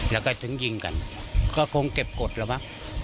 แล้วก็ถึงยิงกันก็คงเก็บกฎแล้วมั้ง